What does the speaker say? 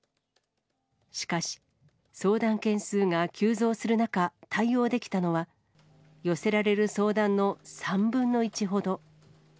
しかし、相談件数が急増する中、対応できたのは、寄せられる相談の３分の１ほど。